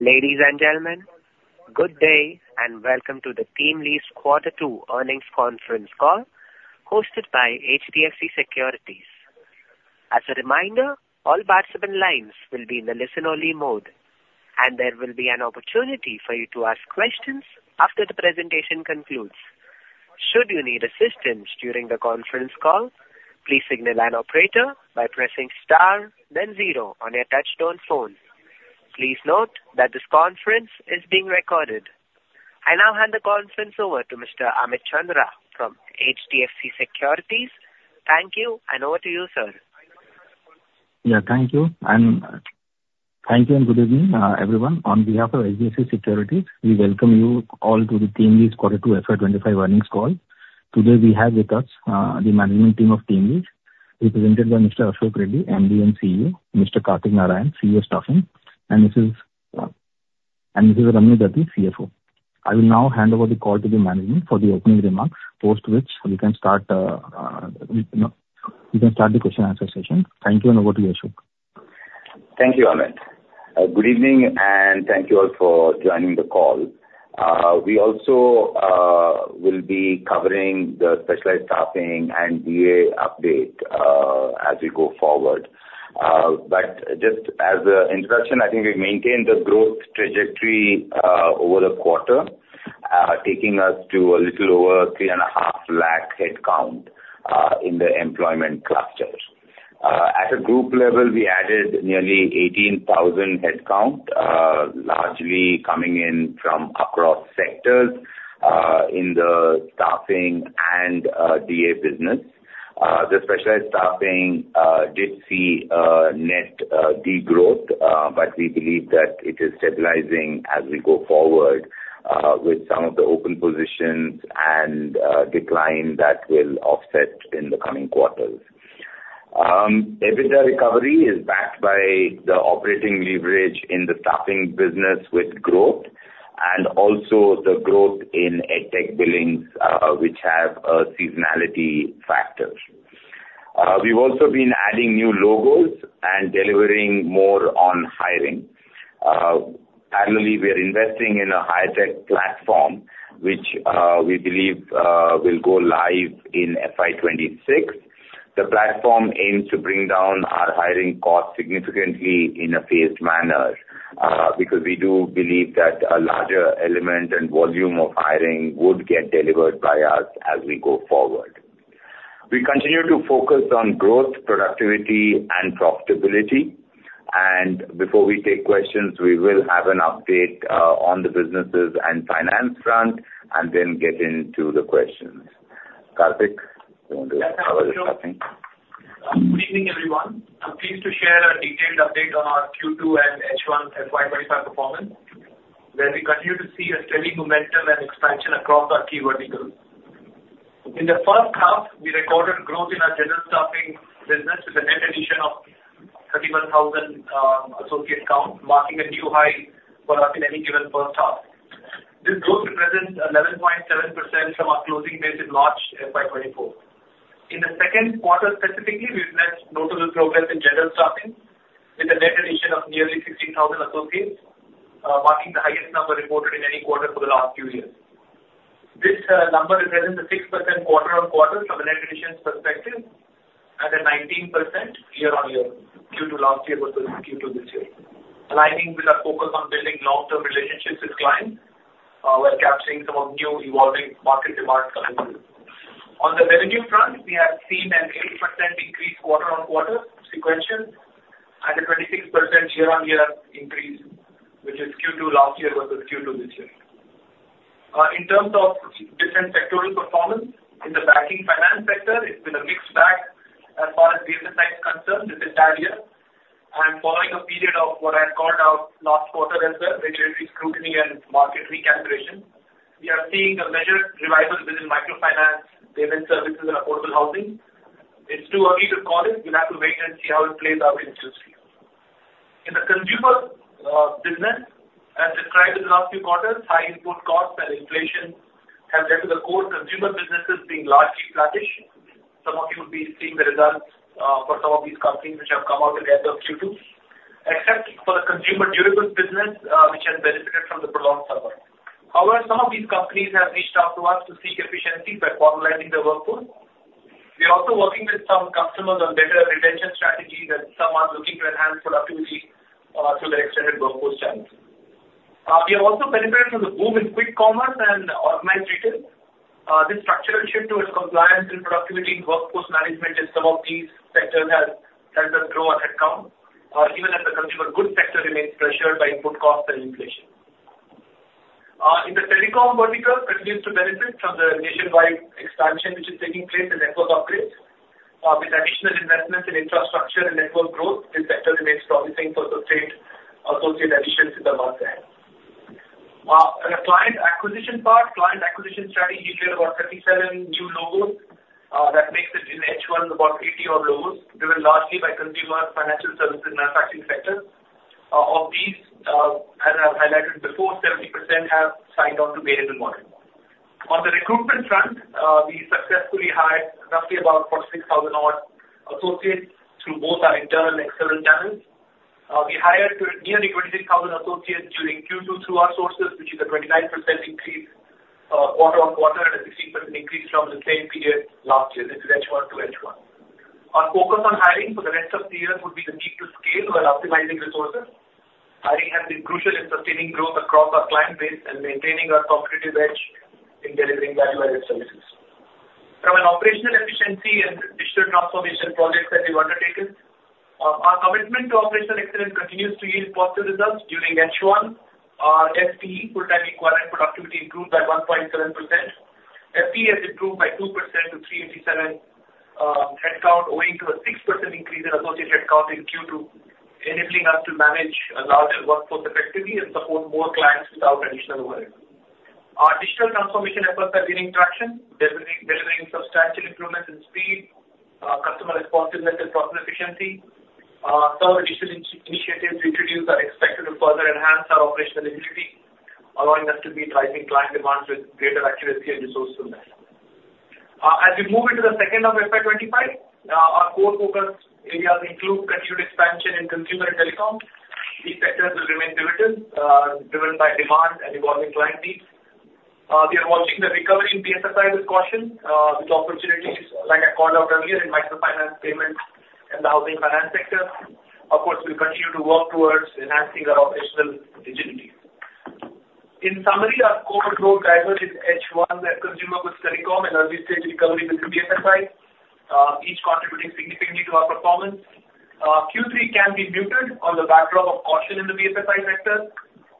Ladies and gentlemen, good day and welcome to the TeamLease Q2 earnings conference call hosted by HDFC Securities. As a reminder, all participant lines will be in the listen-only mode, and there will be an opportunity for you to ask questions after the presentation concludes. Should you need assistance during the conference call, please signal an operator by pressing star, then zero on your touch-tone phone. Please note that this conference is being recorded. I now hand the conference over to Mr. Amit Chandra from HDFC Securities. Thank you, and over to you, sir. Yeah, thank you, and thank you and good evening, everyone. On behalf of HDFC Securities, we welcome you all to the TeamLease Q2 FY25 earnings call. Today we have with us the management team of TeamLease, represented by Mr. Ashok Reddy, MD and CEO, Mr. Kartik Narayan, CEO, staffing, and Mrs. Ramani Dathi, CFO. I will now hand over the call to the management for the opening remarks, post which we can start the question-and-answer session. Thank you, and over to you, Ashok. Thank you, Amit. Good evening, and thank you all for joining the call. We also will be covering the specialized staffing and DA update as we go forward. But just as an introduction, I think we maintained the growth trajectory over the quarter, taking us to a little over three and a half lakh headcount in the employment clusters. At a group level, we added nearly 18,000 headcount, largely coming in from across sectors in the staffing and DA business. The specialized staffing did see net degrowth, but we believe that it is stabilizing as we go forward with some of the open positions and decline that will offset in the coming quarters. EBITDA recovery is backed by the operating leverage in the staffing business with growth, and also the growth in EdTech billings, which have a seasonality factor. We've also been adding new logos and delivering more on hiring. Parallelly, we are investing in a HireTech platform, which we believe will go live in FY26. The platform aims to bring down our hiring costs significantly in a phased manner because we do believe that a larger element and volume of hiring would get delivered by us as we go forward. We continue to focus on growth, productivity, and profitability. And before we take questions, we will have an update on the businesses and finance front, and then get into the questions. Kartik, do you want to cover the staffing? Good evening, everyone. I'm pleased to share a detailed update on our Q2 and H1 FY25 performance, where we continue to see a steady momentum and expansion across our key verticals. In the first half, we recorded growth in our general staffing business with a net addition of 31,000 associate counts, marking a new high for us in any given first half. This growth represents 11.7% from our closing date in March FY24. In the Q2 specifically, we've met notable progress in general staffing with a net addition of nearly 16,000 associates, marking the highest number reported in any quarter for the last few years. This number represents a 6% quarter-on-quarter from a net additions perspective and a 19% year-on-year due to last year versus Q2 this year, aligning with our focus on building long-term relationships with clients while capturing some of new evolving market demands coming through. On the revenue front, we have seen an 8% increase quarter-on-quarter sequential and a 26% year-on-year increase, which is Q2 last year versus Q2 this year. In terms of different sectoral performance, in the banking finance sector, it's been a mixed bag as far as the sites are concerned this entire year, and following a period of what I have called out last quarter as well, which is scrutiny and market recalibration, we are seeing a measured revival within microfinance, payment services, and affordable housing. It's too early to call it. We'll have to wait and see how it plays out in Q3. In the consumer business, as described in the last few quarters, high input costs and inflation have led to the core consumer businesses being largely flatish. Some of you will be seeing the results for some of these companies which have come out again from Q2, except for the consumer durable business, which has benefited from the prolonged summer. However, some of these companies have reached out to us to seek efficiencies by formalizing their workforce. We are also working with some customers on better retention strategies, and some are looking to enhance productivity through their extended workforce challenge. We have also benefited from the boom in quick commerce and organized retail. This structural shift towards compliance and productivity in workforce management in some of these sectors has helped us grow our headcount, even as the consumer goods sector remains pressured by input costs and inflation. In the telecom vertical, it continues to benefit from the nationwide expansion which is taking place in network upgrades, with additional investments in infrastructure and network growth. This sector remains promising for sustained associate additions in the month ahead. On the client acquisition part, client acquisition strategy here about 37 new logos that makes it in H1 about 80-odd logos, driven largely by consumer financial services manufacturing sector. Of these, as I have highlighted before, 70% have signed on to pay-bill model. On the recruitment front, we successfully hired roughly about 46,000-odd associates through both our internal and external channels. We hired nearly 26,000 associates during Q2 through our sources, which is a 29% increase quarter-on-quarter and a 16% increase from the same period last year, this is H1 to H1. Our focus on hiring for the rest of the year would be the need to scale while optimizing resources. Hiring has been crucial in sustaining growth across our client base and maintaining our competitive edge in delivering value-added services. From an operational efficiency and digital transformation projects that we've undertaken, our commitment to operational excellence continues to yield positive results. During H1, our FTE full-time equivalent productivity improved by 1.7%. FTE has improved by 2% to 387 headcount, owing to a 6% increase in associate headcount in Q2, enabling us to manage a larger workforce effectively and support more clients without additional overhead. Our digital transformation efforts are gaining traction, delivering substantial improvements in speed, customer responsiveness, and process efficiency. Some additional initiatives we introduced are expected to further enhance our operational agility, allowing us to meet rising client demands with greater accuracy and resourcefulness. As we move into the second half of FY25, our core focus areas include continued expansion in consumer and telecom. These sectors will remain pivotal, driven by demand and evolving client needs. We are watching the recovery in BFSI with caution, with opportunities like I called out earlier in microfinance, payments, and the housing finance sector. Of course, we'll continue to work towards enhancing our operational agility. In summary, our core growth driver is H1, consumer goods telecom, and early-stage recovery within BFSI, each contributing significantly to our performance. Q3 can be muted on the backdrop of caution in the BFSI sector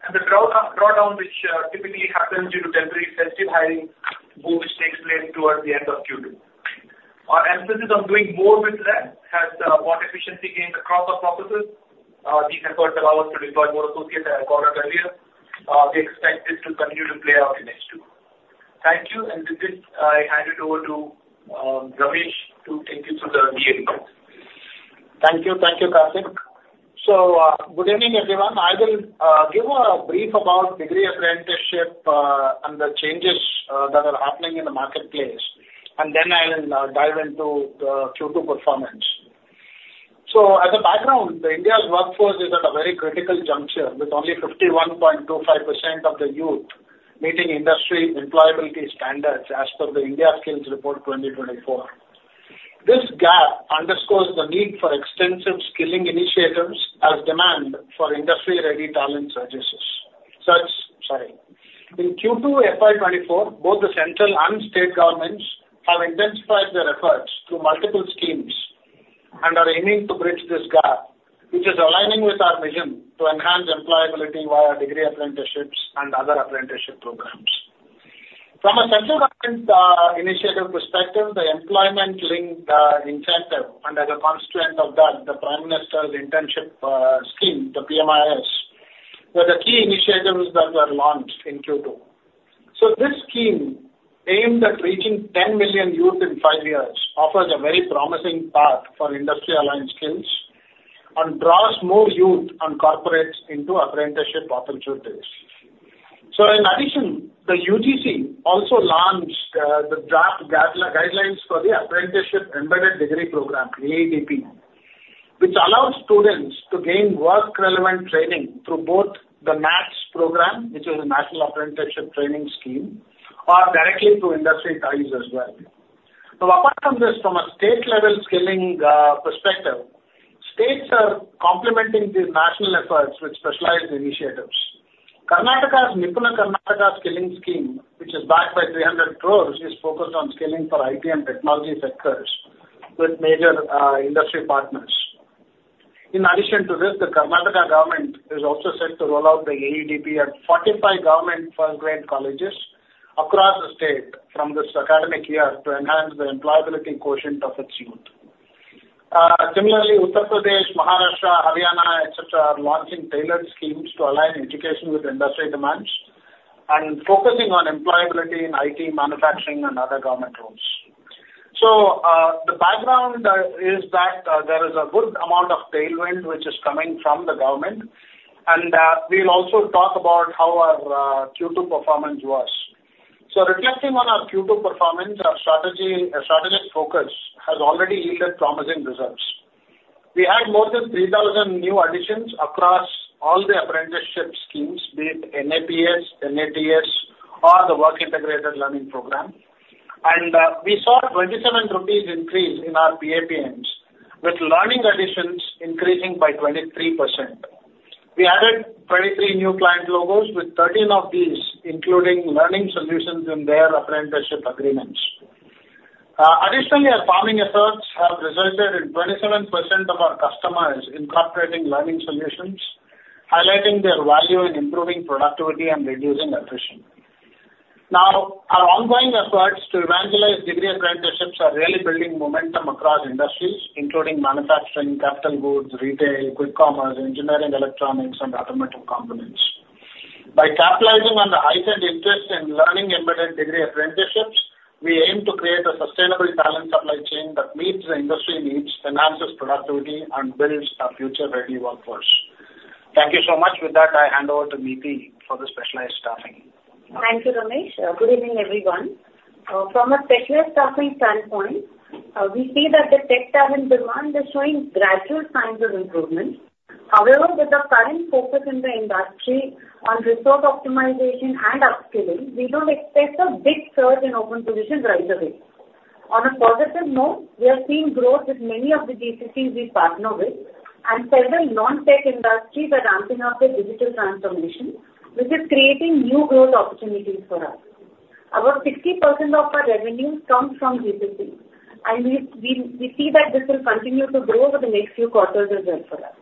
and the drawdown, which typically happens due to temporary sensitive hiring, which takes place towards the end of Q2. Our emphasis on doing more with less has brought efficiency gains across our processes. These efforts allow us to deploy more associates, as I called out earlier. We expect this to continue to play out in H2. Thank you. And with this, I hand it over to Ramesh to take you through the DA report. Thank you. Thank you, Kartik. So good evening, everyone. I will give a brief about degree apprenticeship and the changes that are happening in the marketplace, and then I'll dive into Q2 performance. So as a background, India's workforce is at a very critical juncture, with only 51.25% of the youth meeting industry employability standards as per the India Skills Report 2024. This gap underscores the need for extensive skilling initiatives as demand for industry-ready talent surges. In Q2 FY24, both the central and state governments have intensified their efforts through multiple schemes and are aiming to bridge this gap, which is aligning with our vision to enhance employability via degree apprenticeships and other apprenticeship programs. From a central government initiative perspective, the Employment-Linked Incentive, and as a consequence of that, the Prime Minister's Internship Scheme, the PMIS, were the key initiatives that were launched in Q2. This scheme, aimed at reaching 10 million youth in five years, offers a very promising path for industry-aligned skills and draws more youth and corporates into apprenticeship opportunities. In addition, the UGC also launched the draft guidelines for the Apprenticeship Embedded Degree Program, AEDP, which allows students to gain work-relevant training through both the NATS program, which is a national apprenticeship training scheme, or directly through industry ties as well. Apart from this, from a state-level skilling perspective, states are complementing the national efforts with specialized initiatives. Nipuna Karnataka's skilling scheme, which is backed by 300 crore, is focused on skilling for IT and technology sectors with major industry partners. In addition to this, the Karnataka government is also set to roll out the AEDP at 45 government first-grade colleges across the state from this academic year to enhance the employability quotient of its youth. Similarly, Uttar Pradesh, Maharashtra, Haryana, etc., are launching tailored schemes to align education with industry demands and focusing on employability in IT, manufacturing, and other government roles. So the background is that there is a good amount of tailwind which is coming from the government, and we'll also talk about how our Q2 performance was. So reflecting on our Q2 performance, our strategic focus has already yielded promising results. We had more than 3,000 new additions across all the apprenticeship schemes, be it NAPS, NATS, or the Work Integrated Learning Program. And we saw an 27 rupees increase in our PAPMs, with learning additions increasing by 23%. We added 23 new client logos, with 13 of these including learning solutions in their apprenticeship agreements. Additionally, our farming efforts have resulted in 27% of our customers incorporating learning solutions, highlighting their value in improving productivity and reducing attrition. Now, our ongoing efforts to evangelize degree apprenticeships are really building momentum across industries, including manufacturing, capital goods, retail, quick commerce, engineering, electronics, and automotive components. By capitalizing on the heightened interest in learning embedded degree apprenticeships, we aim to create a sustainable talent supply chain that meets the industry needs, enhances productivity, and builds a future-ready workforce. Thank you so much. With that, I hand over to Neeti for the specialized staffing. Thank you, Ramesh. Good evening, everyone. From a specialized staffing standpoint, we see that the tech talent demand is showing gradual signs of improvement. However, with the current focus in the industry on resource optimization and upskilling, we don't expect a big surge in open positions right away. On a positive note, we are seeing growth with many of the GCCs we partner with, and several non-tech industries are ramping up their digital transformation, which is creating new growth opportunities for us. About 60% of our revenue comes from GCC, and we see that this will continue to grow over the next few quarters as well for us.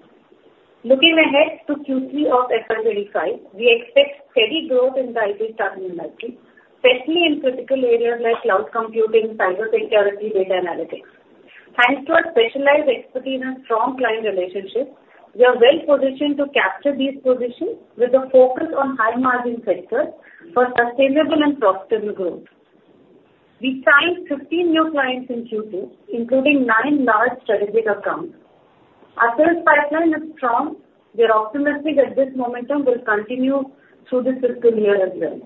Looking ahead to Q3 of FY25, we expect steady growth in the IT staffing industry, especially in critical areas like cloud computing, cybersecurity, and data analytics. Thanks to our specialized expertise and strong client relationships, we are well-positioned to capture these positions with a focus on high-margin sectors for sustainable and profitable growth. We signed 15 new clients in Q2, including nine large strategic accounts. Our sales pipeline is strong. We are optimistic that this momentum will continue through the fiscal year as well.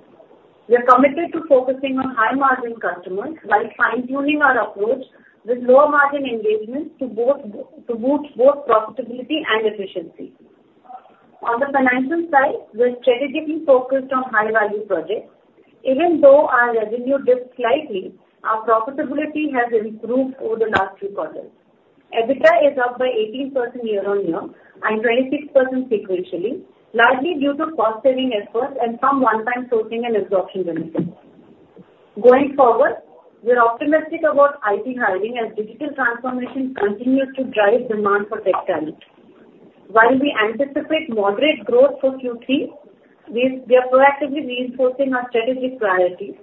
We are committed to focusing on high-margin customers while fine-tuning our approach with lower-margin engagements to boost both profitability and efficiency. On the financial side, we are strategically focused on high-value projects. Even though our revenue dipped slightly, our profitability has improved over the last few quarters. EBITDA is up by 18% year-on-year and 26% sequentially, largely due to cost-saving efforts and some one-time sourcing and absorption benefits. Going forward, we are optimistic about IT hiring as digital transformation continues to drive demand for tech talent. While we anticipate moderate growth for Q3, we are proactively reinforcing our strategic priorities.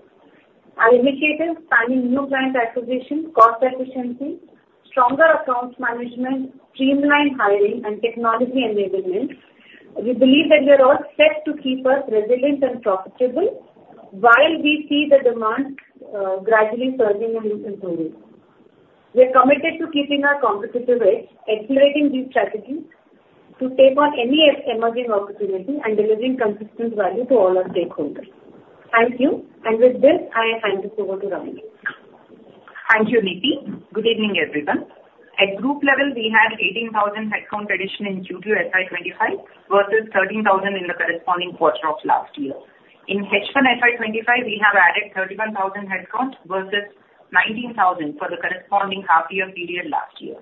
Our initiatives span new client acquisition, cost efficiency, stronger accounts management, streamlined hiring, and technology enablement. We believe that we are all set to keep us resilient and profitable while we see the demand gradually surging and improving. We are committed to keeping our competitive edge, accelerating these strategies to take on any emerging opportunity and delivering consistent value to all our stakeholders. Thank you. And with this, I hand this over to Ramani. Thank you, Neeti. Good evening, everyone. At group level, we had 18,000 headcount addition in Q2 FY25 versus 13,000 in the corresponding quarter of last year. In H1 FY25, we have added 31,000 headcount versus 19,000 for the corresponding half-year period last year.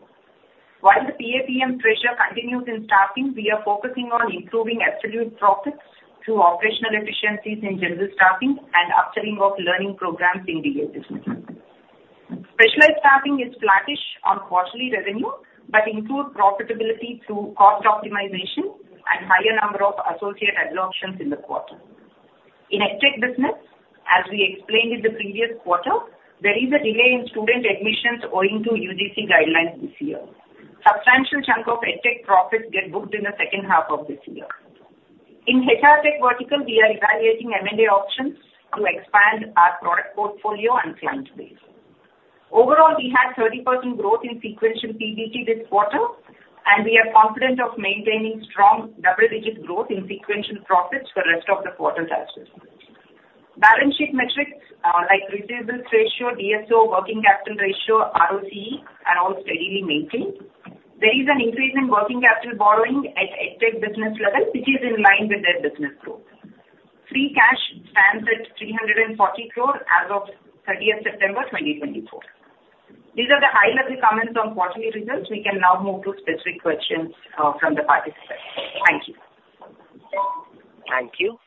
While the PAPM pressure continues in staffing, we are focusing on improving absolute profits through operational efficiencies in general staffing and upskilling of learning programs in the business. Specialized staffing is flattish on quarterly revenue but improves profitability through cost optimization and higher number of associate absorptions in the quarter. In edtech business, as we explained in the previous quarter, there is a delay in student admissions owing to UGC guidelines this year. A substantial chunk of edtech profits get booked in the second half of this year. In HR tech vertical, we are evaluating M&A options to expand our product portfolio and client base. Overall, we had 30% growth in sequential PBT this quarter, and we are confident of maintaining strong double-digit growth in sequential profits for the rest of the quarter as well. Balance sheet metrics like receivables ratio, DSO, working capital ratio, ROCE are all steadily maintained. There is an increase in working capital borrowing at EdTech business level, which is in line with their business growth. Free cash stands at 340 crore as of 30th September 2024. These are the high-level comments on quarterly results. We can now move to specific questions from the participants. Thank you. Thank you.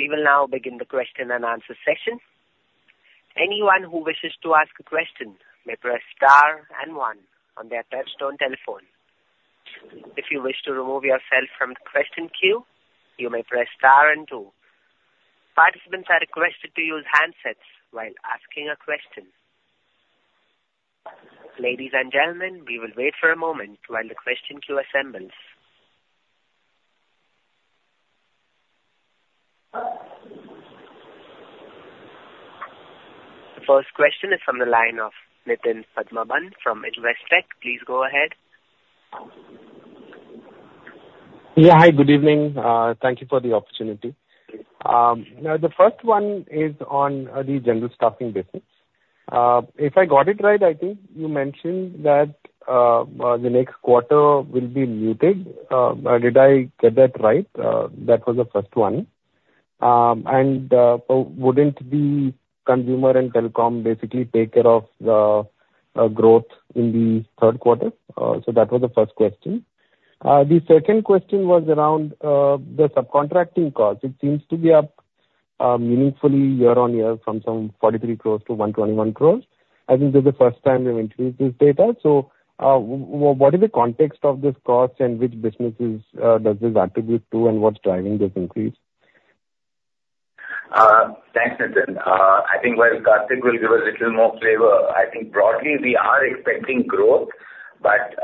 We will now begin the question and answer session. Anyone who wishes to ask a question may press star and one on their touch-tone telephone. If you wish to remove yourself from the question queue, you may press star and two. Participants are requested to use handsets while asking a question. Ladies and gentlemen, we will wait for a moment while the question queue assembles. The first question is from the line of Nitin Padmanabhan from Investec. Please go ahead. Yeah, hi, good evening. Thank you for the opportunity. Now, the first one is on the general staffing business. If I got it right, I think you mentioned that the next quarter will be muted. Did I get that right? That was the first one. And wouldn't the consumer and telecom basically take care of the growth in the Q3? So that was the second question. The second question was around the subcontracting cost. It seems to be up meaningfully year-on-year from some 43 crores to 121 crores. I think this is the first time we've introduced this data. So what is the context of this cost, and which businesses does this attribute to, and what's driving this increase? Thanks, Nitin. I think while Kartik will give us a little more flavor, I think broadly, we are expecting growth, but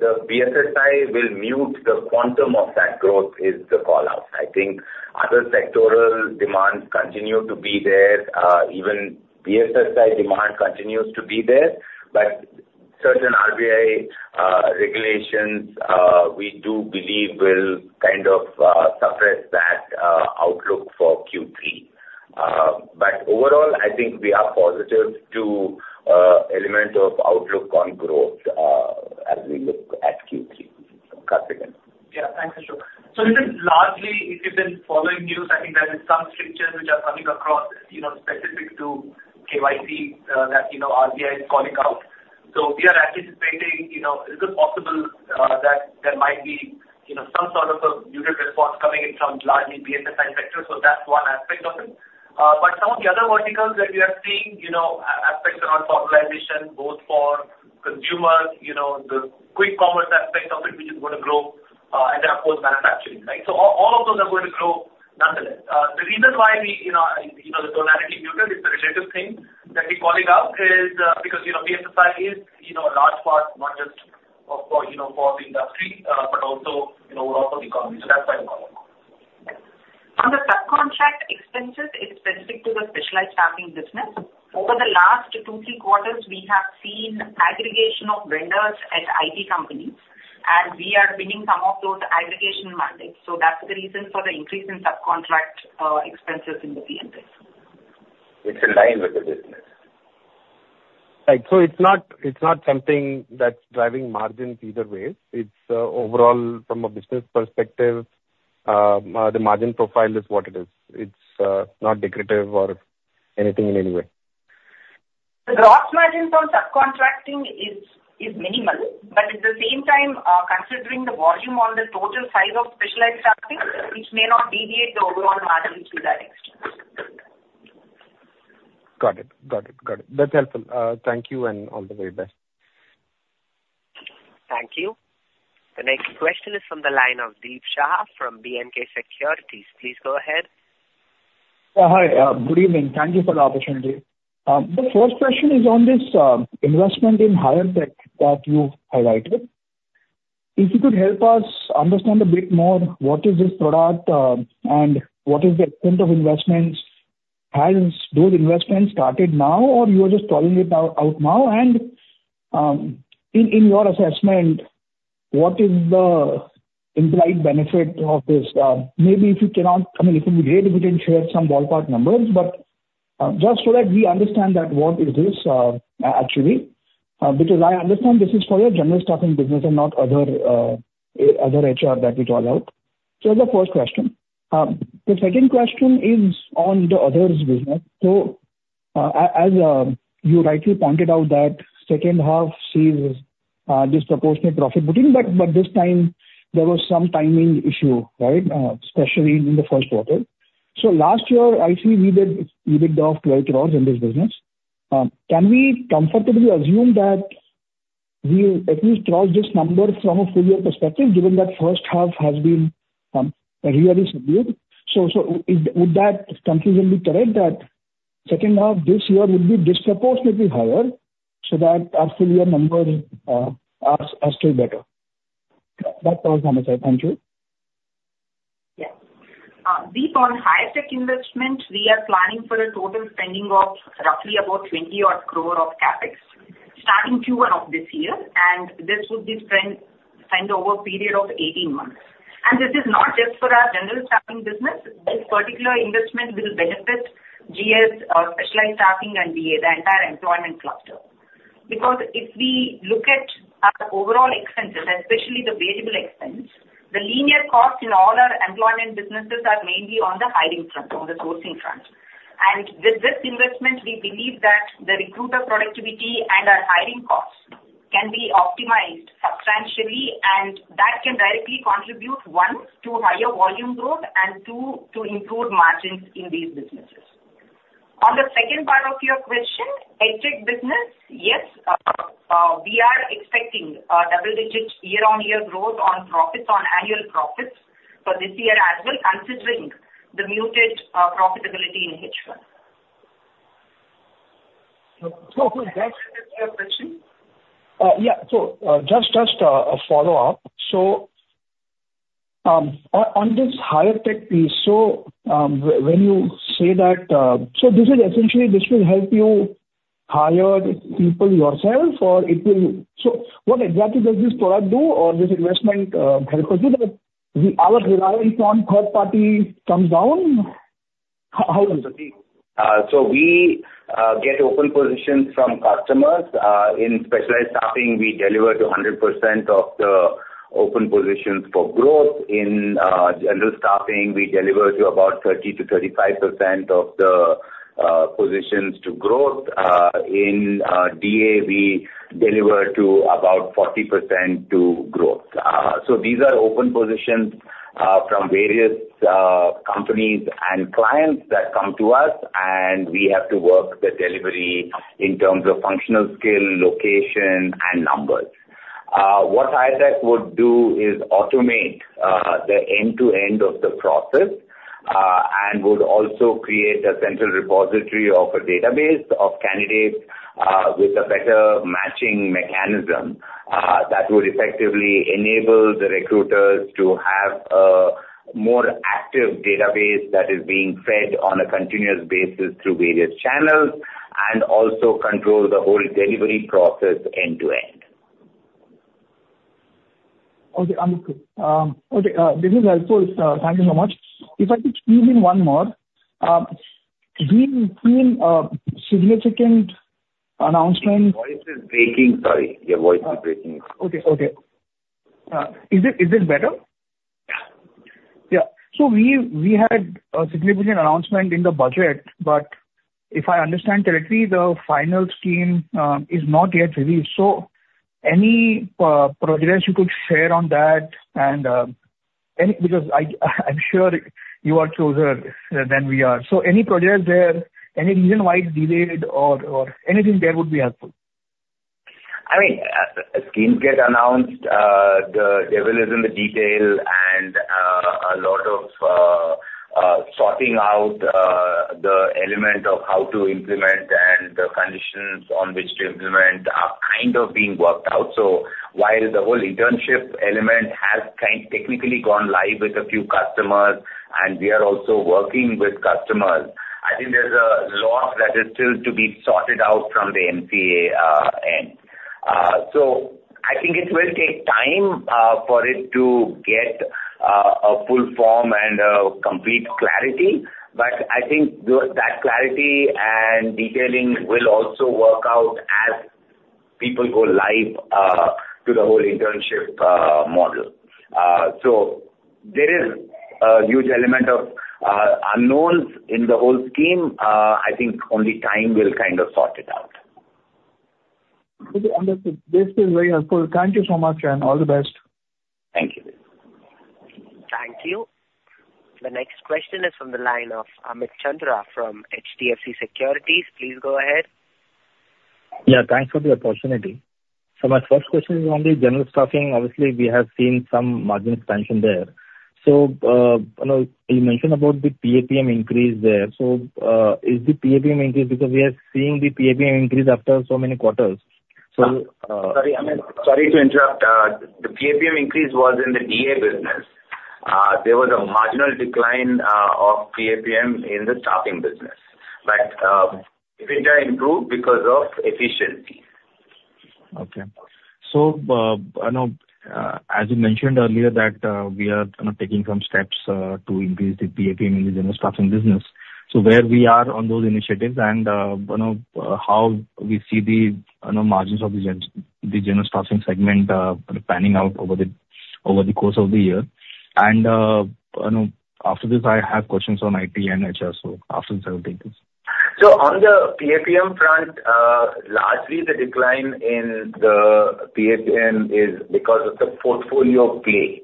the BFSI will mute the quantum of that growth. That is the callout. I think other sectoral demands continue to be there. Even BFSI demand continues to be there, but certain RBI regulations we do believe will kind of suppress that outlook for Q3. But overall, I think we are positive to the element of outlook on growth as we look at Q3. Kartik, Nitin. Yeah, thanks, Ashok. So largely, if you've been following news, I think there have been some strictures which are coming across specific to KYC that RBI is calling out. So we are anticipating, is it possible that there might be some sort of a muted response coming in from largely BFSI sectors? So that's one aspect of it. But some of the other verticals that we are seeing, aspects around formalization, both for consumers, the quick commerce aspect of it, which is going to grow, and then, of course, manufacturing, right? So all of those are going to grow nonetheless. The reason why the tonality muted is the relative thing that we're calling out is because BFSI is a large part, not just for the industry, but also overall for the economy. So that's why the callout. From the subcontract expenses, it's specific to the specialized staffing business. Over the last two to three quarters, we have seen aggregation of vendors at IT companies, and we are winning some of those aggregation mandates. So that's the reason for the increase in subcontract expenses in the PM business. It's in line with the business. Right, so it's not something that's driving margins either way. It's overall, from a business perspective, the margin profile is what it is. It's not decorative or anything in any way? The gross margins on subcontracting is minimal, but at the same time, considering the volume on the total size of specialized staffing, it may not deviate the overall margin to that extent. Got it. Got it. Got it. That's helpful. Thank you, and all the very best. Thank you. The next question is from the line of Deep Shah from B&K Securities. Please go ahead. Hi, good evening. Thank you for the opportunity. The first question is on this investment in HireTech that you highlighted. If you could help us understand a bit more, what is this product and what is the extent of investments? Has those investments started now, or you are just calling it out now? And in your assessment, what is the implied benefit of this? Maybe if you cannot, I mean, it would be great if you can share some ballpark numbers, but just so that we understand that what is this actually, because I understand this is for your general staffing business and not other HR that we call out. So that's the first question. The second question is on the others' business. So as you rightly pointed out, that second half sees disproportionate profit booking, but this time, there was some timing issue, right, especially in the Q1. So last year, I see we did of 12 crore in this business. Can we comfortably assume that we at least crossed this number from a full-year perspective, given that first half has been really subdued? So would that conclusion be correct, that second half this year would be disproportionately higher so that our full-year numbers are still better? That was my message. Thank you. Yeah. Deep on HireTech investment, we are planning for a total spending of roughly about 20-odd crore of CapEx starting Q1 of this year, and this would be spent over a period of 18 months. This is not just for our general staffing business. This particular investment will benefit GS, specialized staffing, and the entire employment cluster. Because if we look at our overall expenses, especially the variable expense, the linear costs in all our employment businesses are mainly on the hiring front, on the sourcing front. With this investment, we believe that the recruiter productivity and our hiring costs can be optimized substantially, and that can directly contribute, one, to higher volume growth and, two, to improved margins in these businesses. On the second part of your question, EdTech business, yes, we are expecting double-digit year-on-year growth on profits, on annual profits for this year as well, considering the muted profitability in H1. So can I add to your question? Yeah. So just a follow-up. So on this HireTech piece, so when you say that, so this is essentially this will help you hire people yourself, or it will—so what exactly does this product do, or this investment help us with it? Our reliance on third party comes down? How is it? We get open positions from customers. In specialized staffing, we deliver to 100% of the open positions for growth. In general staffing, we deliver to about 30%-35% of the positions to growth. In DA, we deliver to about 40% to growth. These are open positions from various companies and clients that come to us, and we have to work the delivery in terms of functional skill, location, and numbers. What HireTech would do is automate the end-to-end of the process and would also create a central repository of a database of candidates with a better matching mechanism that would effectively enable the recruiters to have a more active database that is being fed on a continuous basis through various channels and also control the whole delivery process end-to-end. Okay. Understood. Okay. This is helpful. Thank you so much. If I could squeeze in one more, we've seen significant announcements. Your voice is breaking. Sorry. Your voice is breaking. Okay. Okay. Is it better? Yeah. Yeah. So we had a significant announcement in the budget, but if I understand correctly, the final scheme is not yet released. So any projects you could share on that? Because I'm sure you are closer than we are. So any projects there, any reason why it's delayed or anything there would be helpful? I mean, as schemes get announced, the devil is in the detail, and a lot of sorting out the element of how to implement and the conditions on which to implement are kind of being worked out. So while the whole internship element has technically gone live with a few customers, and we are also working with customers, I think there's a lot that is still to be sorted out from the NAPS end. So I think it will take time for it to get a full form and a complete clarity, but I think that clarity and detailing will also work out as people go live to the whole internship model. So there is a huge element of unknowns in the whole scheme. I think only time will kind of sort it out. Okay. Understood. This has been very helpful. Thank you so much, and all the best. Thank you. Thank you. The next question is from the line of Amit Chandra from HDFC Securities. Please go ahead. Yeah. Thanks for the opportunity. So my first question is on the general staffing. Obviously, we have seen some margin expansion there. So you mentioned about the PAPM increase there. So is the PAPM increase because we are seeing the PAPM increase after so many quarters? So. Sorry, Amit. Sorry to interrupt. The PAPM increase was in the DA business. There was a marginal decline of PAPM in the staffing business, but it improved because of efficiency. Okay. So as you mentioned earlier that we are taking some steps to increase the PAPM in the general staffing business. So where we are on those initiatives and how we see the margins of the general staffing segment panning out over the course of the year? And after this, I have questions on IT and HR. So after this, I will take this. So on the PAPM front, largely the decline in the PAPM is because of the portfolio play.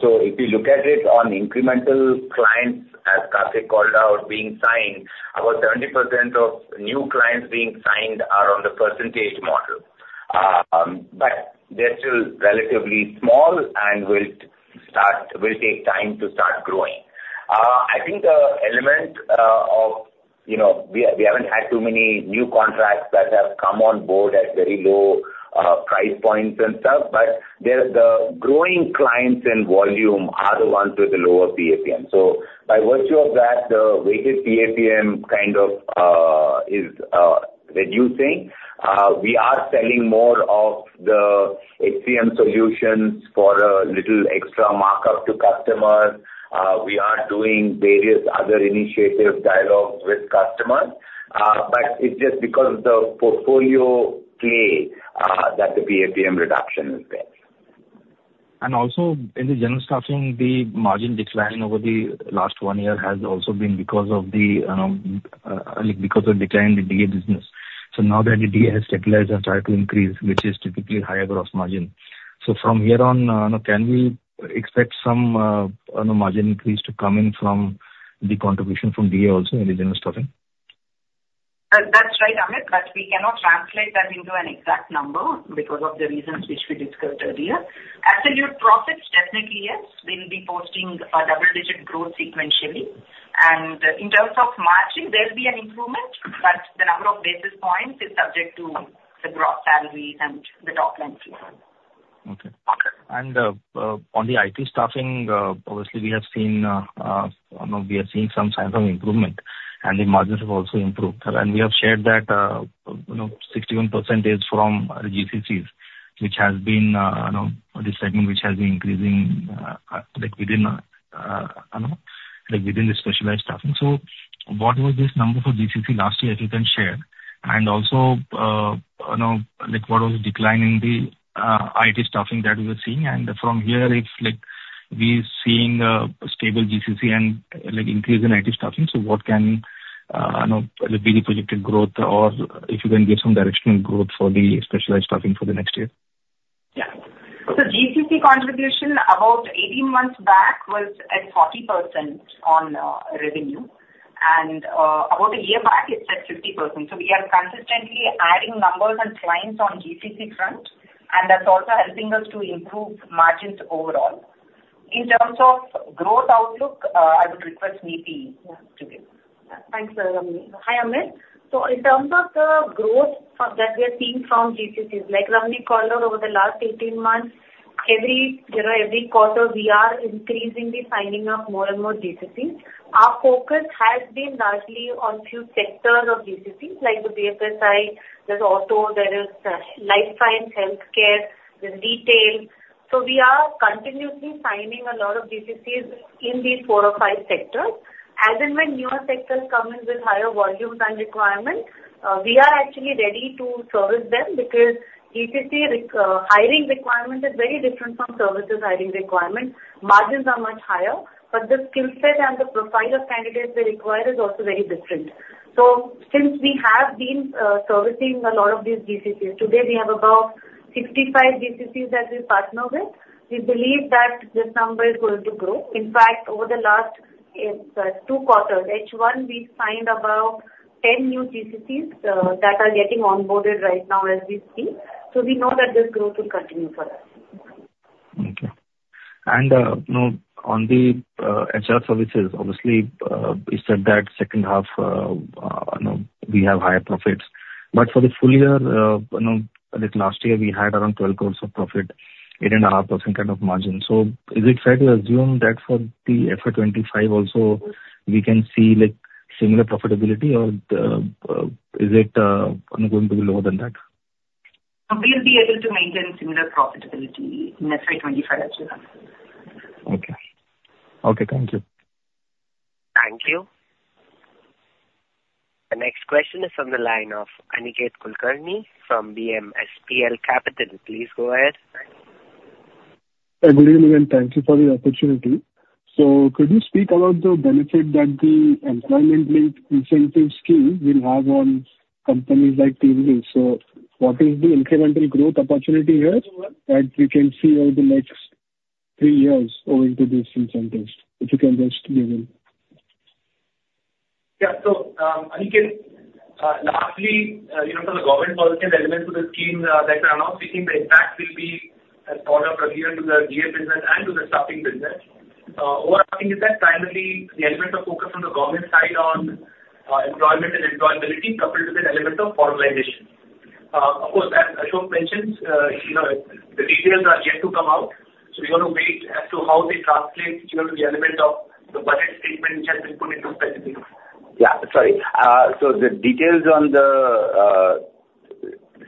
So if you look at it on incremental clients, as Kartik called out, being signed, about 70% of new clients being signed are on the percentage model. But they're still relatively small and will take time to start growing. I think the element of we haven't had too many new contracts that have come on board at very low price points and stuff, but the growing clients in volume are the ones with the lower PAPM. So by virtue of that, the weighted PAPM kind of is reducing. We are selling more of the HCM solutions for a little extra markup to customers. We are doing various other initiative dialogues with customers, but it's just because of the portfolio play that the PAPM reduction is there. And also, in the general staffing, the margin decline over the last one year has also been because of the decline in the DA business. So now that the DA has stabilized and started to increase, which is typically higher gross margin. So from here on, can we expect some margin increase to come in from the contribution from DA also in the general staffing? That's right, Amit, but we cannot translate that into an exact number because of the reasons which we discussed earlier. Absolute profits, definitely yes. We'll be posting a double-digit growth sequentially. And in terms of margin, there'll be an improvement, but the number of basis points is subject to the gross salaries and the top-line figure. Okay. And on the IT staffing, obviously, we have seen we are seeing some signs of improvement, and the margins have also improved. And we have shared that 61% is from GCCs, which has been this segment which has been increasing within the specialized staffing. So what was this number for GCC last year, if you can share? And also, what was the decline in the IT staffing that we were seeing? And from here, if we're seeing a stable GCC and increase in IT staffing, so what can be the projected growth, or if you can give some directional growth for the specialized staffing for the next year? Yeah. So GCC contribution about 18 months back was at 40% on revenue, and about a year back, it's at 50%. So we are consistently adding numbers and clients on GCC front, and that's also helping us to improve margins overall. In terms of growth outlook, I would request Neeti to give. Thanks, Ramani. Hi, Amit. So in terms of the growth that we are seeing from GCCs, like Ramani called out over the last 18 months, every quarter, we are increasingly signing up more and more GCCs. Our focus has been largely on a few sectors of GCCs, like the BFSI, there's auto, there is life sciences, healthcare, there's retail. So we are continuously signing a lot of GCCs in these four or five sectors. As and when newer sectors come in with higher volumes and requirements, we are actually ready to service them because GCC hiring requirements are very different from services hiring requirements. Margins are much higher, but the skill set and the profile of candidates they require is also very different. So since we have been servicing a lot of these GCCs, today we have about 65 GCCs that we partner with. We believe that this number is going to grow. In fact, over the last two quarters, H1, we signed about 10 new GCCs that are getting onboarded right now as we speak. So we know that this growth will continue for us. Okay, and on the HR services, obviously, you said that second half, we have higher profits, but for the full year, last year, we had around 12 crores of profit, 8.5% kind of margin, so is it fair to assume that for the FY25 also, we can see similar profitability, or is it going to be lower than that? We'll be able to maintain similar profitability in FY25 as well. Okay. Okay. Thank you. Thank you. The next question is from the line of Aniket Kulkarni from B&K Securities. Please go ahead. Good evening, and thank you for the opportunity. So could you speak about the benefit that the employment-linked incentive scheme will have on companies like TeamLease? So what is the incremental growth opportunity here that we can see over the next three years owing to these incentives, if you can just give in? Yeah. So Aniket, lastly, for the government policy and elements of the scheme that we are now seeing, the impact will be as part of adhering to the DA business and to the staffing business. Overarching is that primarily the element of focus from the government side on employment and employability coupled with an element of formalization. Of course, as Ashok mentioned, the details are yet to come out, so we're going to wait as to how they translate to the element of the budget statement which has been put into specifics. Yeah. Sorry. So the details on the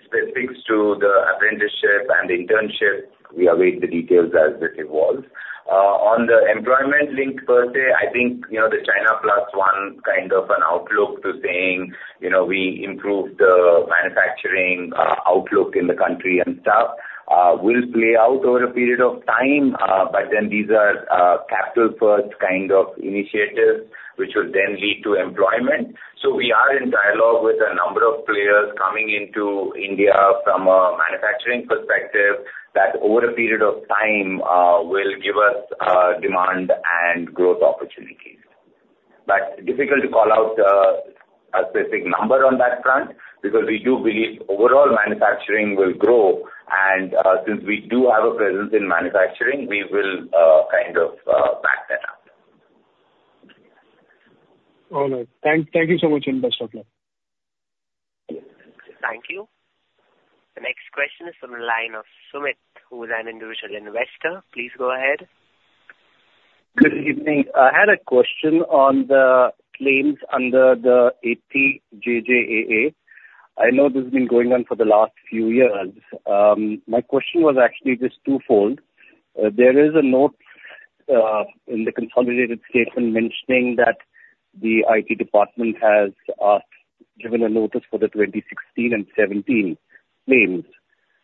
specifics to the apprenticeship and the internship, we await the details as it evolves. On the employment-linked per se, I think the China Plus One kind of an outlook to saying we improved the manufacturing outlook in the country and stuff will play out over a period of time, but then these are capital-first kind of initiatives which will then lead to employment. So we are in dialogue with a number of players coming into India from a manufacturing perspective that over a period of time will give us demand and growth opportunities. But difficult to call out a specific number on that front because we do believe overall manufacturing will grow, and since we do have a presence in manufacturing, we will kind of back that up. All right. Thank you so much, and best of luck. Thank you. The next question is from the line of Sumit, who is an individual investor. Please go ahead. Good evening. I had a question on the claims under the 80JJAA. I know this has been going on for the last few years. My question was actually just twofold. There is a note in the consolidated statement mentioning that the IT department has given a notice for the 2016 and 2017 claims.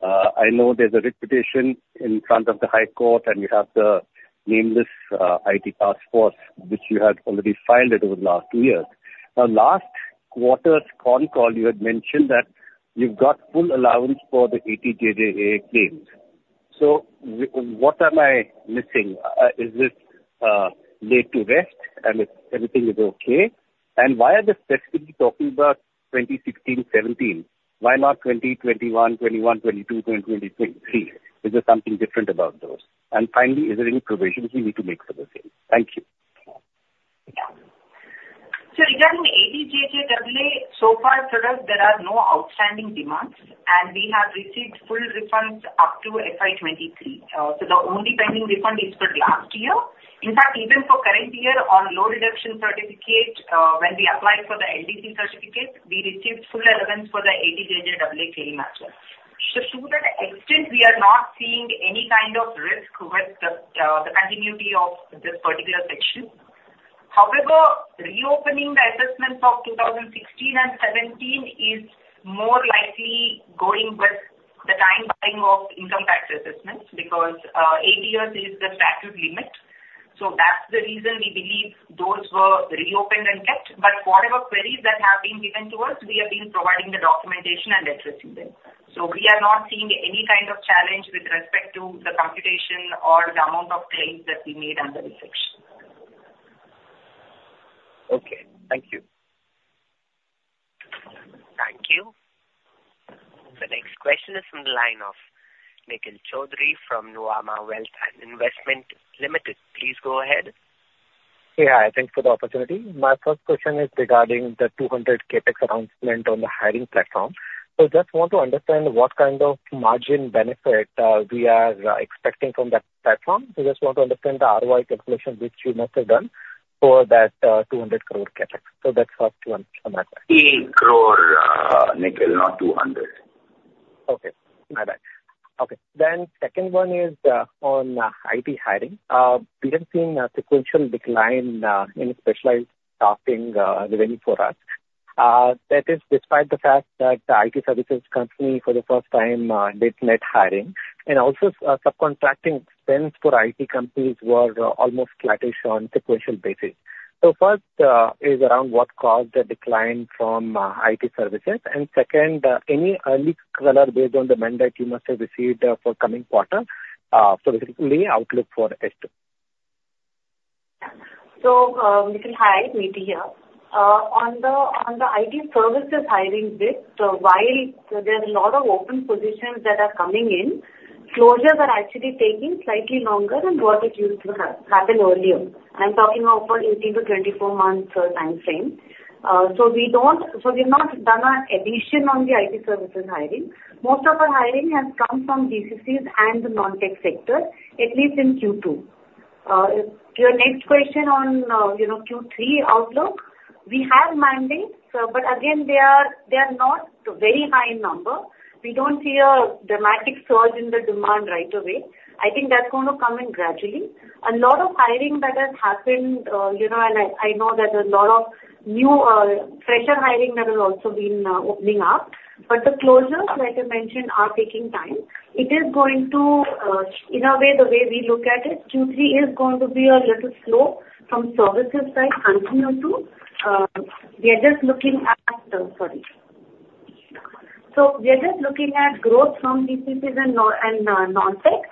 I know there's a representation in front of the High Court, and you have appealed to the ITAT which you had already filed it over the last two years. Now, last quarter's con call, you had mentioned that you've got full allowance for the 80JJAA claims. So what am I missing? Is this laid to rest and everything is okay? And why are they specifically talking about 2016, 2017? Why not 2020, 2021, 2022, and 2023? Is there something different about those? Finally, is there any provisions we need to make for the same? Thank you. Regarding the 80JJAA, so far, there are no outstanding demands, and we have received full refunds up to FY23. The only pending refund is for last year. In fact, even for current year, on Low Deduction Certificate, when we applied for the LDC certificate, we received full elements for the 80JJAA claim as well. To that extent, we are not seeing any kind of risk with the continuity of this particular section. However, reopening the assessments of 2016 and 2017 is more likely going with the timeline of income tax assessments because eight years is the statute limit. That's the reason we believe those were reopened and kept. But whatever queries that have been given to us, we have been providing the documentation and addressing them. We are not seeing any kind of challenge with respect to the computation or the amount of claims that we made under this section. Okay. Thank you. Thank you. The next question is from the line of Nikhil Choudhury from Nuvama Wealth and Investment Limited. Please go ahead. Yeah. Thanks for the opportunity. My first question is regarding the 200 CapEx announcement on the hiring platform. So I just want to understand what kind of margin benefit we are expecting from that platform. So I just want to understand the ROI calculation which you must have done for that 200 crore CapEx. So that's first one on that side. 18 crore, Nikhil, not 200. Then second one is on IT hiring. We have seen a sequential decline in specialized staffing revenue for us. That is despite the fact that the IT services company for the first time did net hiring. And also, subcontracting expense for IT companies were almost flatish on sequential basis. So first is around what caused the decline from IT services. And second, any early color based on the mandate you must have received for coming quarter? So basically, outlook for H2. Nikhil, hi, Neeti here. On the IT services hiring bit, while there's a lot of open positions that are coming in, closures are actually taking slightly longer than what it used to happen earlier. I'm talking about 18-24 months timeframe. We've not done an addition on the IT services hiring. Most of our hiring has come from GCCs and the non-tech sector, at least in Q2. Your next question on Q3 outlook, we have mandates, but again, they are not a very high number. We don't see a dramatic surge in the demand right away. I think that's going to come in gradually. A lot of hiring that has happened, and I know that a lot of new fresher hiring that has also been opening up. But the closures, like I mentioned, are taking time. It is going to, in a way, the way we look at it, Q3 is going to be a little slow from services side continue to. So we are just looking at growth from GCCs and non-tech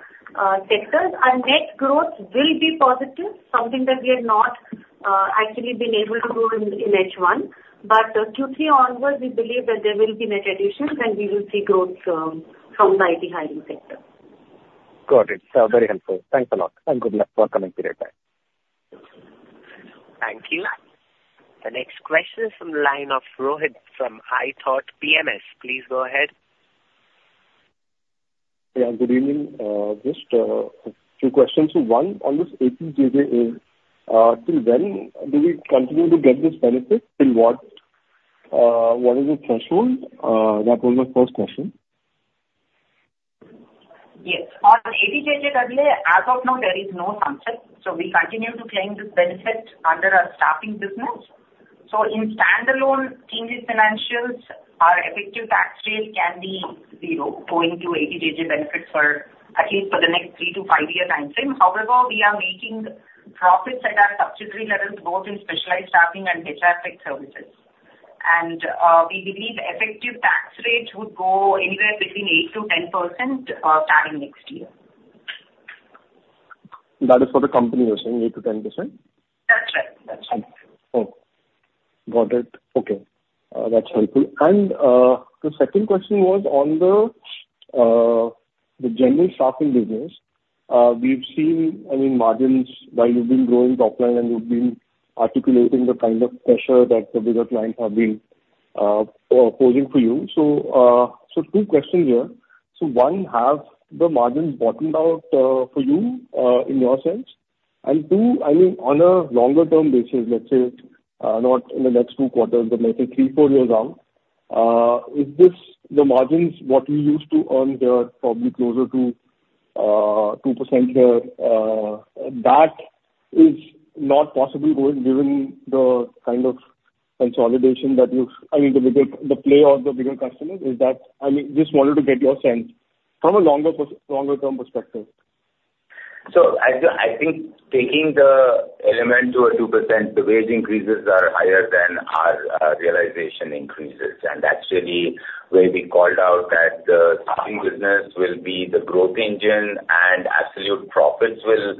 sectors. Our net growth will be positive, something that we have not actually been able to do in H1. But Q3 onwards, we believe that there will be net additions, and we will see growth from the IT hiring sector. Got it. Very helpful. Thanks a lot, and good luck for the coming period time. Thank you. The next question is from the line of Rohit from iThought PMS. Please go ahead. Yeah. Good evening. Just a few questions. So one, on this 80JJAA, till when do we continue to get this benefit? Till what? What is the threshold? That was my first question. Yes. On 80JJAA, as of now, there is no sunset. So we continue to claim this benefit under our staffing business, so in standalone TeamLease financials, our effective tax rate can be zero going to 80JJAA benefits for at least the next three- to five-year timeframe. However, we are making profits at our subsidiary levels, both in specialized staffing and HR tech services, and we believe effective tax rate would go anywhere between 8%-10% starting next year. That is for the company you're saying, 8%-10%? That's right. That's right. Okay. Got it. Okay. That's helpful. And the second question was on the general staffing business. We've seen, I mean, margins while you've been growing top line and you've been articulating the kind of pressure that the bigger clients have been posing for you. So two questions here. So one, have the margins bottomed out for you in your sense? And two, I mean, on a longer-term basis, let's say not in the next two quarters, but maybe three, four years out, is the margins what you used to earn here, probably closer to 2% here? That is not possible given the kind of consolidation that you've I mean, the play on the bigger customers is that I mean, just wanted to get your sense from a longer-term perspective. So I think taking the element to a 2%, the wage increases are higher than our realization increases. And that's really where we called out that the staffing business will be the growth engine and absolute profits will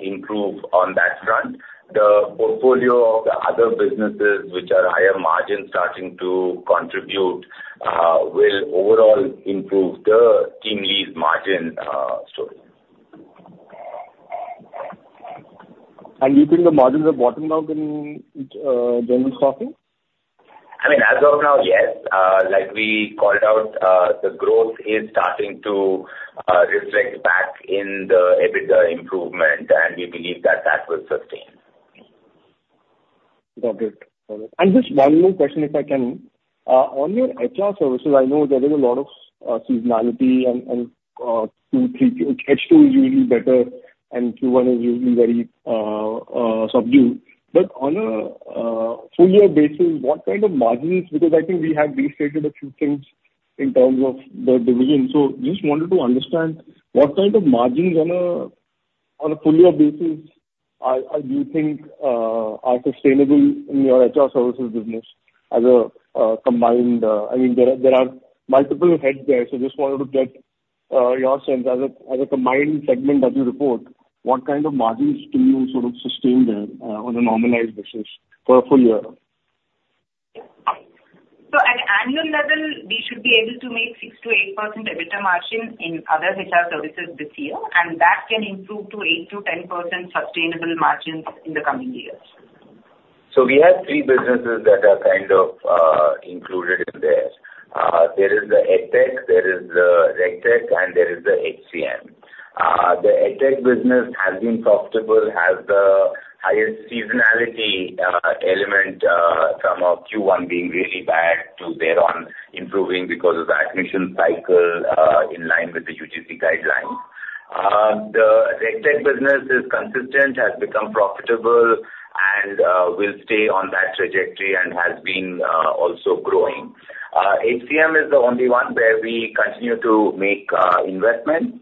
improve on that front. The portfolio of the other businesses which are higher margin starting to contribute will overall improve the TeamLease margin story. Do you think the margins have bottomed out in general staffing? I mean, as of now, yes. Like we called out, the growth is starting to reflect back in the improvement, and we believe that that will sustain. Got it. Got it. And just one more question, if I can. On your HR services, I know there is a lot of seasonality and Q3. H2 is usually better and Q1 is usually very subdued. But on a full-year basis, what kind of margins? Because I think we had restated a few things in terms of the division. So just wanted to understand what kind of margins on a full-year basis do you think are sustainable in your HR services business as a combined? I mean, there are multiple heads there, so just wanted to get your sense. As a combined segment that you report, what kind of margins do you sort of sustain there on a normalized basis for a full year? At annual level, we should be able to make 6%-8% EBITDA margin in other HR services this year, and that can improve to 8%-10% sustainable margins in the coming years. So we have three businesses that are kind of included in there. There is the EdTech, there is the RegTech, and there is the HCM. The EdTech business has been profitable, has the highest seasonality element from Q1 being really bad to thereon improving because of the admission cycle in line with the UGC guidelines. The RegTech business is consistent, has become profitable, and will stay on that trajectory and has been also growing. HCM is the only one where we continue to make investments.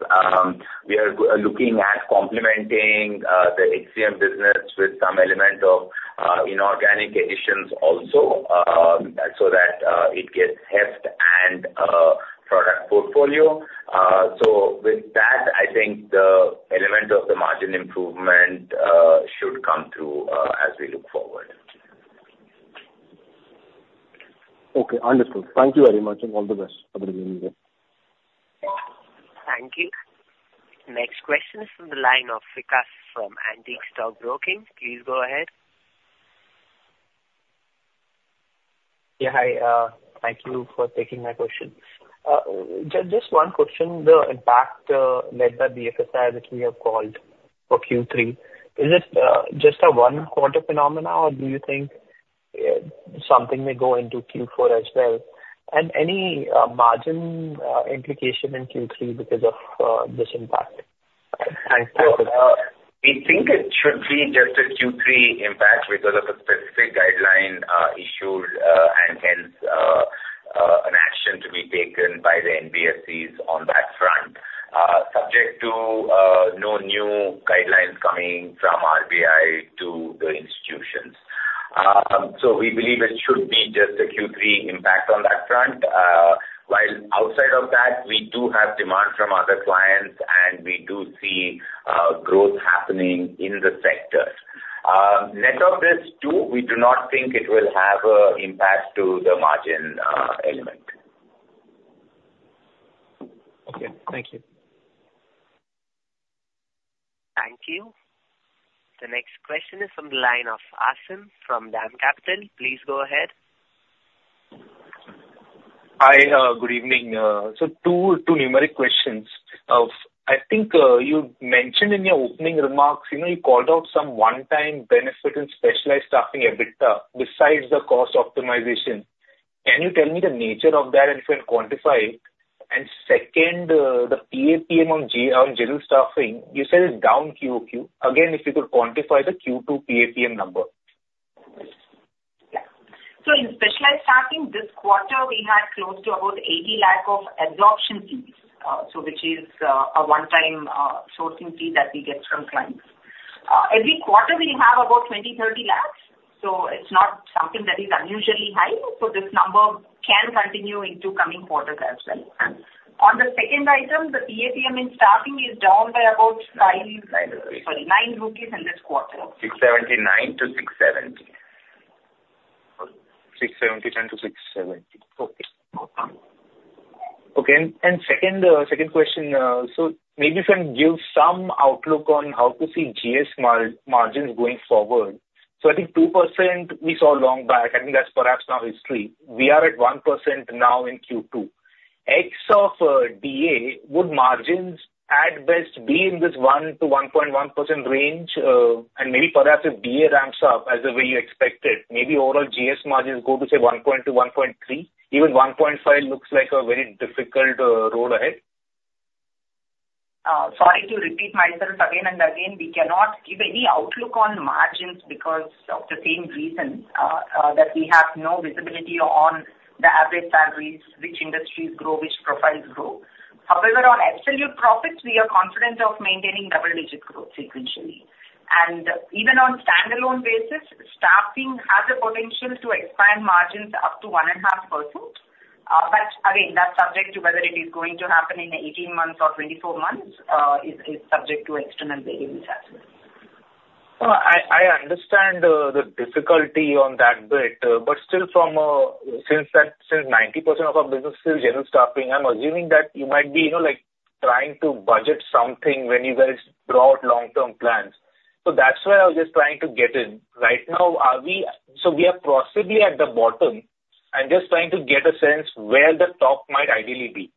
We are looking at complementing the HCM business with some element of inorganic additions also so that it gets heft and product portfolio. So with that, I think the element of the margin improvement should come through as we look forward. Okay. Understood. Thank you very much and all the best for the remaining day. Thank you. Next question is from the line of Vikas from Antique Stock Broking. Please go ahead. Yeah. Hi. Thank you for taking my question. Just one question. The impact led by the FSI that we have called for Q3, is it just a one-quarter phenomenon, or do you think something may go into Q4 as well? And any margin implication in Q3 because of this impact? Thanks. We think it should be just a Q3 impact because of the specific guideline issued and hence an action to be taken by the NBFCs on that front, subject to no new guidelines coming from RBI to the institutions. So we believe it should be just a Q3 impact on that front. While outside of that, we do have demand from other clients, and we do see growth happening in the sector. Net of this too, we do not think it will have an impact to the margin element. Okay. Thank you. Thank you. The next question is from the line of Aasim from DAM Capital. Please go ahead. Hi. Good evening. So two numeric questions. I think you mentioned in your opening remarks, you called out some one-time benefit in specialized staffing EBITDA besides the cost optimization. Can you tell me the nature of that and if you can quantify it? And second, the PAPM on general staffing, you said it's down QOQ. Again, if you could quantify the Q2 PAPM number. So in specialized staffing, this quarter, we had close to about 80 lakh of absorption fees, which is a one-time sourcing fee that we get from clients. Every quarter, we have about 20-30 lakhs. So it's not something that is unusually high. So this number can continue into coming quarters as well. On the second item, the PAPM in staffing is down by about 9 in this quarter. 679 to 670. 679 to 670. Okay. And second question, so maybe you can give some outlook on how to see GS margins going forward. So I think 2% we saw long back. I think that's perhaps now history. We are at 1% now in Q2. Ex of DA, would margins at best be in this 1-1.1% range? And maybe perhaps if DA ramps up as the way you expected, maybe overall GS margins go to, say, 1.2%-1.3%? Even 1.5% looks like a very difficult road ahead. Sorry to repeat myself again and again, we cannot give any outlook on margins because of the same reason that we have no visibility on the average salaries, which industries grow, which profiles grow. However, on absolute profits, we are confident of maintaining double-digit growth sequentially. And even on standalone basis, staffing has the potential to expand margins up to 1.5%. But again, that's subject to whether it is going to happen in 18 months or 24 months is subject to external variables as well. I understand the difficulty on that bit. Still, since 90% of our business is general staffing, I'm assuming that you might be trying to budget something when you guys draw out long-term plans. That's why I was just trying to get in. Right now, are we? We are possibly at the bottom and just trying to get a sense where the top might ideally be.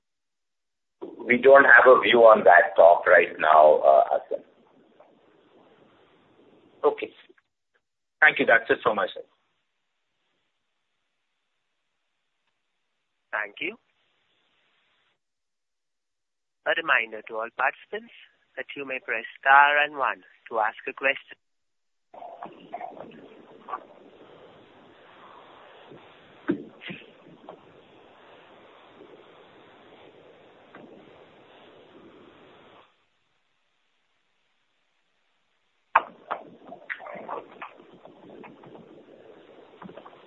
We don't have a view on that topic right now, Aasim. Okay. Thank you. That's it from my side. Thank you. A reminder to all participants that you may press star and one to ask a question.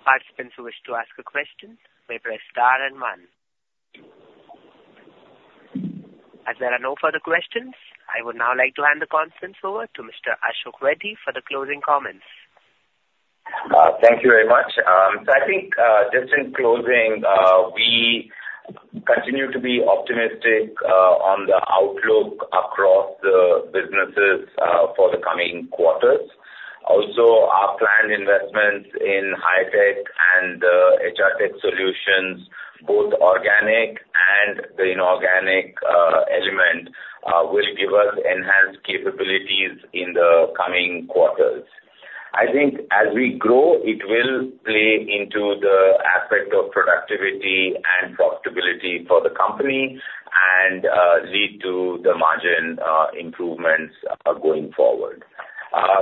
Participants who wish to ask a question, may press star and one. As there are no further questions, I would now like to hand the conference over to Mr. Ashok Reddy for the closing comments. Thank you very much. So I think just in closing, we continue to be optimistic on the outlook across the businesses for the coming quarters. Also, our planned investments in high-tech and HR tech solutions, both organic and the inorganic element, will give us enhanced capabilities in the coming quarters. I think as we grow, it will play into the aspect of productivity and profitability for the company and lead to the margin improvements going forward.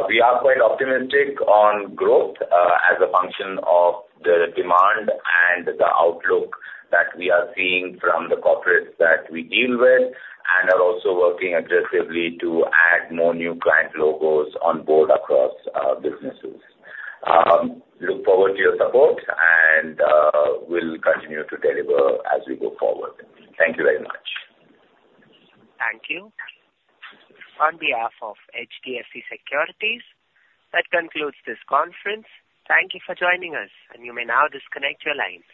We are quite optimistic on growth as a function of the demand and the outlook that we are seeing from the corporates that we deal with and are also working aggressively to add more new client logos on board across businesses. Look forward to your support, and we'll continue to deliver as we go forward. Thank you very much. Thank you. On behalf of HDFC Securities, that concludes this conference. Thank you for joining us, and you may now disconnect your lines.